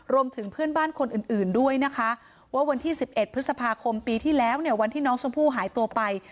รวมถึงเพื่อนบ้านคนอื่นด้วยนะคะว่าวันที่๑๑พฤษภาคมปีที่แล้วเนี่ยวันที่น้องชมพู่หายตัวไป